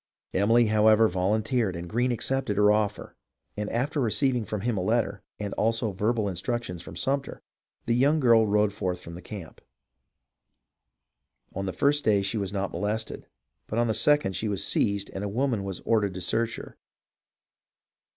Emily, however, volunteered and Greene accepted her offer; and after receiv ing from him a letter, and also verbal instructions for Sumter, the young girl rode forth from the camp. On the first day she was not molested, but on the second she was seized and a woman was ordered to search her.